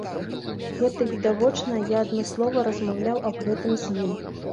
Гэта відавочна, я адмыслова размаўляў аб гэтым з ім.